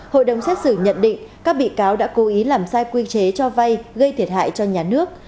hội đồng xét xử nhận định các bị cáo đã cố ý làm sai quy chế cho vay gây thiệt hại cho nhà nước